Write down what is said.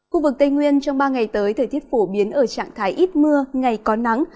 khu vực tây nguyên trong ba ngày tới thời tiết phổ biến ở trạng thái ít mưa ngày có nắng